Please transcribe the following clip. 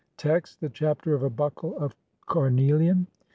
Text : (1) The Chapter of a Buckle of carnelian.